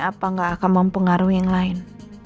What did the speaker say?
apa nggak akan mempengaruhi yang lain